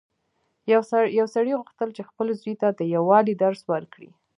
یو سړي غوښتل چې خپل زوی ته د یووالي درس ورکړي.